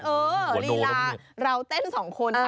ลีลาเราเต้นสองคน